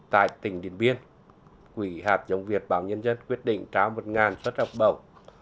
tại tỉnh điện biên quỹ hạt giống việt bảo nhân dân quyết định trả một xuất học bổng